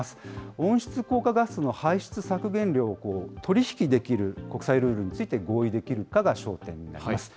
温室効果ガスの排出削減量を取り引きできる国際ルールについて、合意できるかが焦点となります。